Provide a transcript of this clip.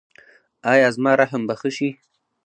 ایا زما رحم به ښه شي؟